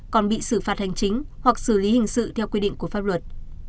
còn bị xử phạt hành chính hoặc xử lý hình sự theo quy định của pháp luật